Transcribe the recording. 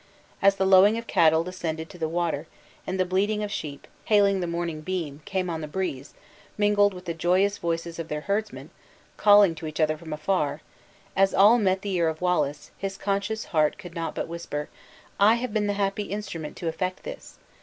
As the lowing of cattle descending to the water, and the bleating of sheep, hailing the morning beam, came on the breeze, mingled with the joyous voices of their herdsmen, calling to each other from afar as all met the ear of Wallace his conscious heart could not but whisper: "I have been the happy instrument to effect this!